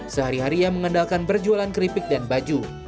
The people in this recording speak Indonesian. setiap hari ia mengandalkan perjualan keripik dan baju